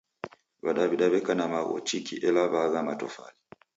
W'adaw'ida w'eka na magho chiki ela w'aagha na matofali